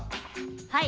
はい。